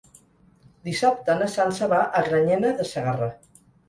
Dissabte na Sança va a Granyena de Segarra.